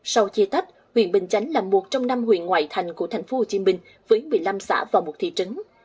sau chia tách huyện bình chánh là một trong năm huyện ngoại thành của tp hcm với một mươi năm xã và một thị trấn